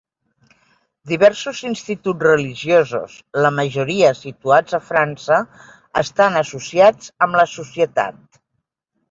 Diversos instituts religiosos, la majoria situats a França, estan associats amb la societat.